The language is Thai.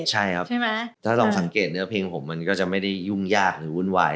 ใช่ครับใช่ไหมถ้าลองสังเกตเนื้อเพลงผมมันก็จะไม่ได้ยุ่งยากหรือวุ่นวาย